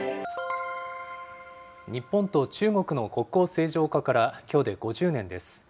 日本と中国の国交正常化から、きょうで５０年です。